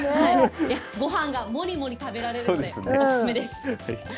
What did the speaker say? ごはんがもりもり食べられるので、お勧めです。